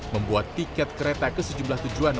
membuat tiket kereta ke sejumlah tujuan